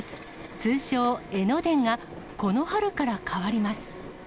通称、江ノ電がこの春から変わります。